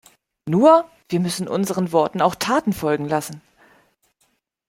Nur, wir müssen unseren Worten auch Taten folgen lassen.